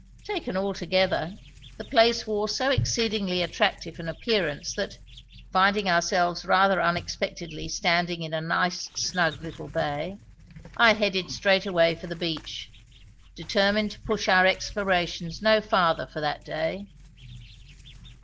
Taken altogether, the place wore so exceedingly attractive an appearance that, finding ourselves rather unexpectedly standing into a nice, snug little bay, I headed straightway for the beach, determined to push our explorations no farther for that day.